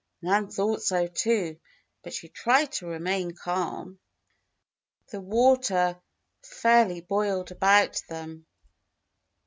Nan thought so, too, but she tried to remain calm. The water fairly boiled about them.